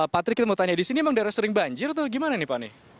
patri kita mau tanya di sini memang daerah sering banjir atau gimana nih pak